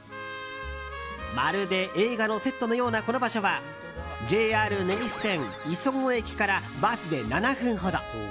まるで映画のセットのようなこの場所はＪＲ根岸線、磯子駅からバスで７分ほど。